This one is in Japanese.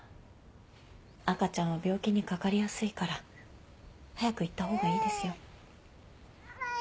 赤ちゃんは病気にかかりやすいから早く行った方がいいですよ。